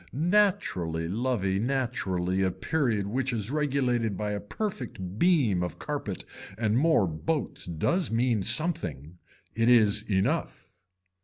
Naturally lovey naturally a period which is regulated by a perfect beam of carpet and more boats does mean something. It is enough.